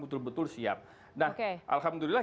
betul betul siap nah alhamdulillah